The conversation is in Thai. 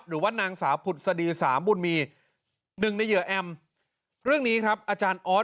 หรือว่านางสาวผุดสดีสามบุญมีหนึ่งในเหยื่อแอมเรื่องนี้ครับอาจารย์ออส